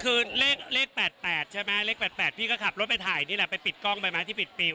คือเลข๘๘ใช่ไหมเลข๘๘พี่ก็ขับรถไปถ่ายนี่แหละไปปิดกล้องไปไหมที่ปิดปิว